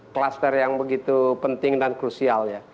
kluster yang begitu penting dan krusial ya